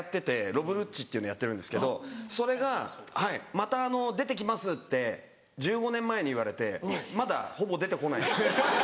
ロブ・ルッチっていうのやってるんですけどそれが「また出て来ます」って１５年前に言われてまだほぼ出て来ない。